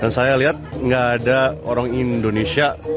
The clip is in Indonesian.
dan saya lihat tidak ada orang indonesia